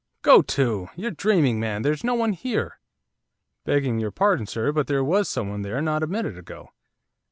'Go to! you're dreaming, man! there's no one here.' 'Begging your pardon, sir, but there was someone there not a minute ago.